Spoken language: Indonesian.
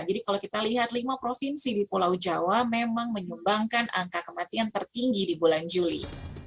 jadi kalau kita lihat lima provinsi di pulau jawa memang menyumbangkan angka kematian tertinggi di bulan juli